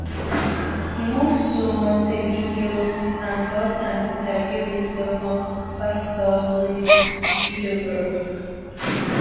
He moved to Montevideo and got an interview with governor Pascual Ruiz Huidobro.